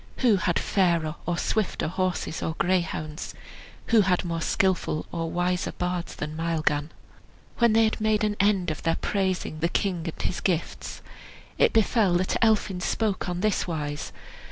Who had fairer or swifter horses or greyhounds? Who had more skilful or wiser bards than Maelgan? When they had all made an end of their praising the king and his gifts, it befell that Elphin spoke on this wise.